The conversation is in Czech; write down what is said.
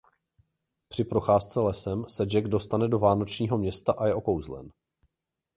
Při procházce lesem se Jack dostane do Vánočního města a je okouzlen.